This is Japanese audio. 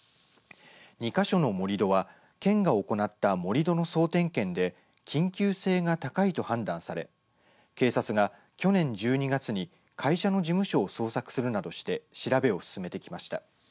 ２か所の盛り土は県が行った盛り土の総点検で緊急性が高いと判断され警察が去年１２月に会社の事務所を捜索するなどして調べを進めてきました。